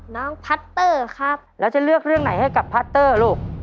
น้องพัตเตอร์ครับแล้วจะเลือกเรื่องไหนให้กับพัตเตอร์ลูก